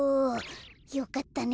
よかったね